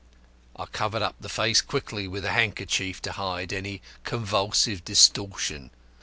I covered up the face quickly with a handkerchief to hide any convulsive distortion.